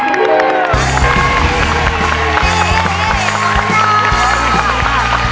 เย้